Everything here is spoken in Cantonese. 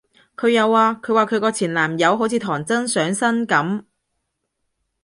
佢有啊，佢話佢個前男友好似唐僧上身噉